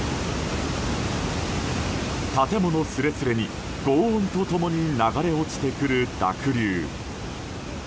建物すれすれに轟音と共に流れ落ちてくる濁流。